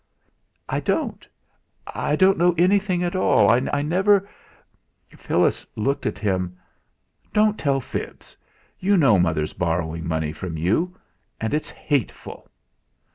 "I don't I don't know anything at all. I never " Phyllis looked up at him. "Don't tell fibs; you know mother's borrowing money from you, and it's hateful!"